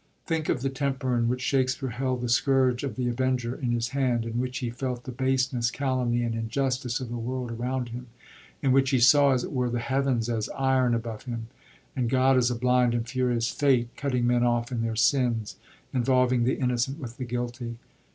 Think of the temper in which Shakspere held the scourge of the avenger in his hand, in which he felt the baseness, calumny, and injustice of the world around him, in which he saw, as it were, the heavens as iron above him, and God . as a blind and furious Fate, cutting men off in their sins, involving the innocent with the guilty.